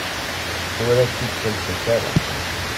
Ur ak-t-id-ttalsent ara.